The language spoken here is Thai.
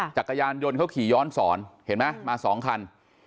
จักรยานยนต์เขาขี่ย้อนสอนเห็นไหมมา๒คัน